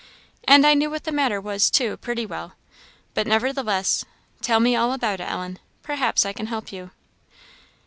And I knew what the matter was, too, pretty well; but nevertheless, tell me all about it, Ellen; perhaps I can help you."